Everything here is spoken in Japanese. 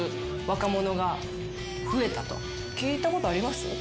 聞いたことあります？